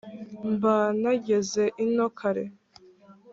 mba nageze ino kare...